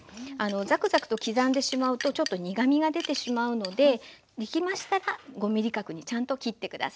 ザクザクと刻んでしまうとちょっと苦みが出てしまうのでできましたら５ｍｍ角にちゃんと切って下さい。